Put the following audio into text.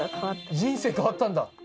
人生変わったんだ。